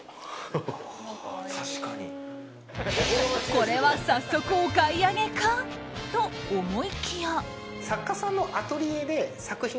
これは早速お買い上げかと思いきや。